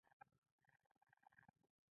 پر وطن باندي موږ تېر تر سر او تن یو.